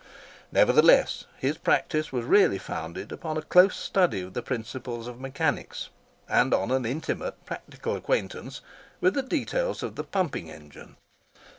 Nevertheless, his practice was really founded upon a close study of the principles of mechanics, and on an intimate practical acquaintance with the details of the pumping engine.